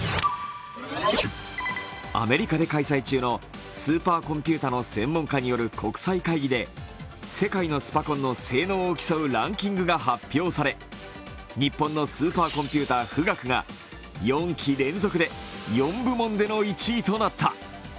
アメリカで開催中のスーパーコンピューターの専門家による国際会議で、世界のスパコンの性能を競うランキングが発表され日本のスーパーコンピューター富岳が４期連続で４部門での１位となった。